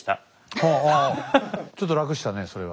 おおちょっと楽したねそれは。